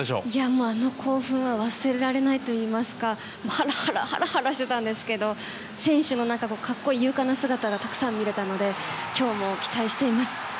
もう、あの興奮は忘れられないといいますかハラハラハラハラしていたんですけど選手の勇敢な格好いい姿がたくさん見れたので今日も期待しています。